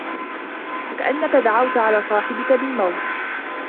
كَأَنَّك دَعَوْت عَلَى صَاحِبِك بِالْمَوْتِ